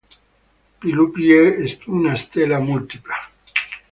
Pi Lupi è una stella multipla.